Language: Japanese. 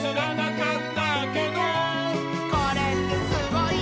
はい！